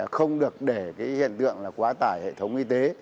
không được để cái hiện tượng là quá tải hệ thống y tế